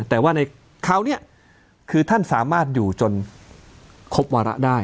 แต่ว่าในคราวนี้คือท่านสามารถอยู่จนครบวาระได้